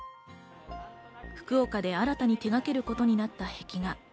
福岡で新たに手がけることになった壁画。